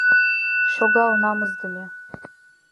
— Шогал, намысдыме!